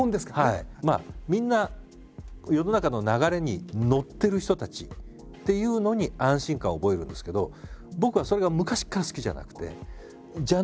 みんな世の中の流れに乗ってる人たちっていうのに安心感を覚えるんですけど僕はそれが昔から好きじゃなくて。